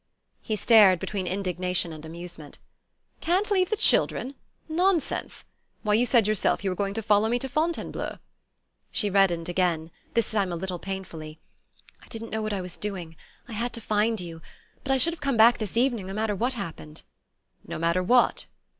He stared, between indignation and amusement. "Can't leave the children? Nonsense! Why, you said yourself you were going to follow me to Fontainebleau " She reddened again, this time a little painfully "I didn't know what I was doing.... I had to find you... but I should have come back this evening, no matter what happened." "No matter what?"